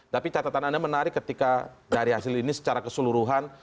tapi catatan anda menarik ketika dari hasil ini secara keseluruhan